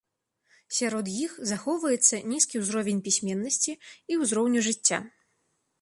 Сярод іх захоўваецца нізкі ўзровень пісьменнасці і ўзроўню жыцця.